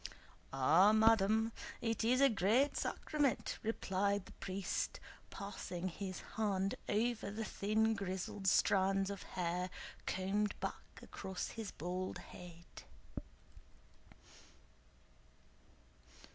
"Ah, madam, it is a great sacrament," replied the priest, passing his hand over the thin grizzled strands of hair combed back across his bald head.